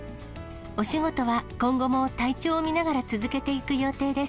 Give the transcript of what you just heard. お仕事は今後も体調を見ながら続けていく予定です。